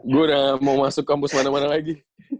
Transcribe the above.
gue udah mau masuk kampus mana mana lagi